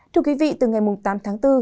thưa quý vị từ ngày tám tháng bốn